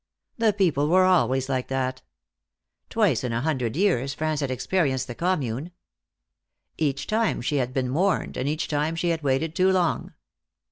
The people were always like that. Twice in a hundred years France had experienced the commune. Each time she had been warned, and each time she had waited too long.